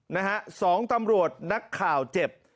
นะฮะสองตำรวจนักข่าวเจ็บ